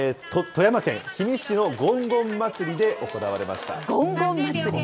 富山県氷見市のごんごん祭りで行われました。